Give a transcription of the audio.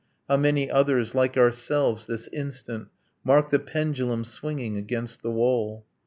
. How many others like ourselves, this instant, Mark the pendulum swinging against the wall?